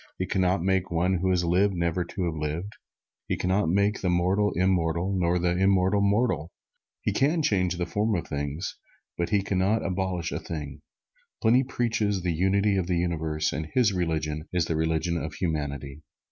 He can not make one who has lived never to have lived. He can not make the mortal, immortal; nor the immortal, mortal. He can change the form of things, but He can not abolish a thing. Pliny preaches the Unity of the Universe and his religion is the religion of Humanity.